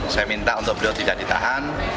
saya minta untuk beliau tidak ditahan